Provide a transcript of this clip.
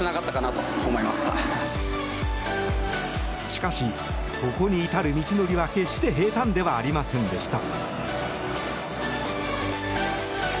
しかし、ここに至る道のりは決して平たんではありませんでした。